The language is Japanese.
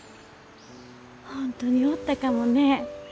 本当におったかもね。